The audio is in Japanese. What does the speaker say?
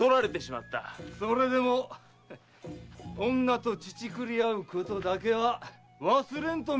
それでも女とちちくりあうことだけは忘れんとみえるわ！